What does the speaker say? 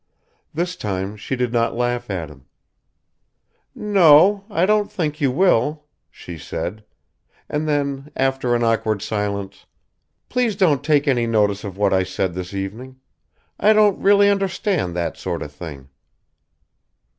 This time she did not laugh at him. "No... I don't think you will," she said, and then, after an awkward silence, "Please don't take any notice of what I said this evening. I don't really understand that sort of thing."